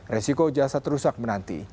risiko jasa terusak menanti